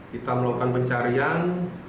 kita melakukan pencarian